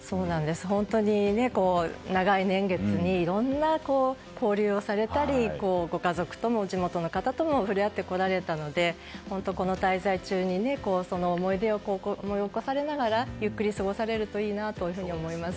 本当に長い年月いろんな交流をされたりご家族とも地元の方とも触れ合ってこられたり本当、この滞在中に思い出を思い起こされながらゆっくり過ごされるといいなと思います。